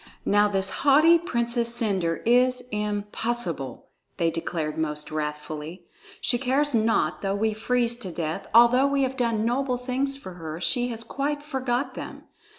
"Now this haughty Princess Cendre is impossible!" they declared most wrathfully. "She cares not though we freeze to death; although we have done noble things for her, she has quite forgot them.